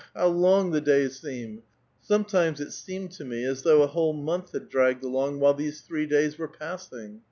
how long the days seem! SoiDi'tiines it hceiued to me as though a whole month had dragq^ed along while these three days were passing.